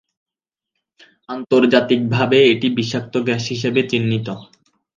আন্তর্জাতিকভাবে এটি বিষাক্ত গ্যাস হিসেবে চিহ্নিত।